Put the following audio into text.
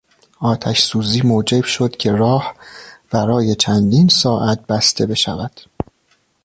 آتشسوزی موجب شد که راه برای چندین ساعت بسته بشود.